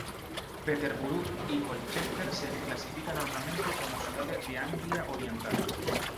Peterborough y Colchester se les clasifica normalmente como ciudades de Anglia Oriental.